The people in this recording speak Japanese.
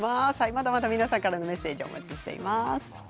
まだまだ皆さんからのメッセージお待ちしています。